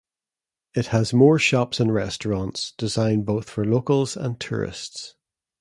It has more shops and restaurants designed both for locals and tourists.